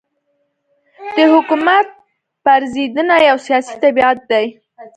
د حکومت پرځېدنه یو سیاسي طبیعت دی.